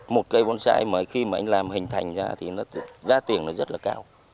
một cây bonsai mà khi mà anh làm hình thành ra thì giá tiền nó rất là cao